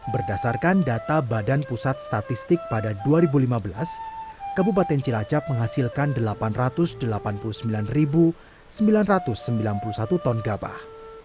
berdasarkan data badan pusat statistik pada dua ribu lima belas kabupaten cilacap menghasilkan delapan ratus delapan puluh sembilan sembilan ratus sembilan puluh satu ton gabah